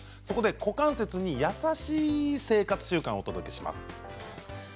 そこで股関節に優しい生活習慣をお届けします。